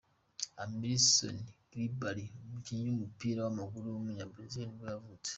Emílson Cribari, umukinnyi w’umupira w’amaguru w’umunyabrazil nibwo yavutse.